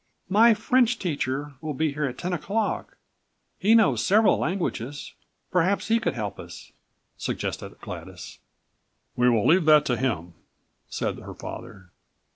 "My French teacher will be here at ten o'clock. He knows several languages. Perhaps he could help us," suggested Gladys. "We will leave that to him," said her father.